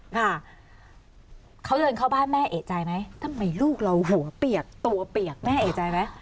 ค่ะเขาเดินเข้าบ้านแม่เอกใจไหมทำไมลูกเราหัวเปียกตัวเปียกแม่เอกใจไหม